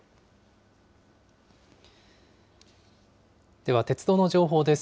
では、鉄道の情報です。